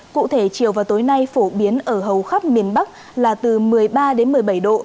cụ thể chiều và tối nay phổ biến ở hầu khắp miền bắc là từ một mươi ba đến một mươi bảy độ